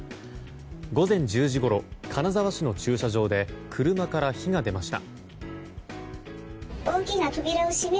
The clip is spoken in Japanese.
午前１０時ごろ金沢市の駐車場で車から火が出ました。